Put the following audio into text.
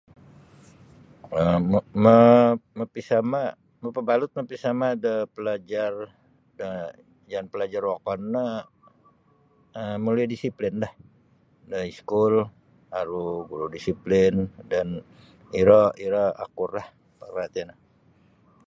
um Ma-mapisama mabalut mapisama da palajar yang palajar wokon no um malalui disiplinlah da iskul aru guru disiplin dan iro iro akurlah. [unintelligible]